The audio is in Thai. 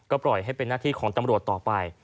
ปล่อยให้เป็นหน้าที่ของตำรวจต่อไป